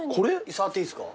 触っていいすか？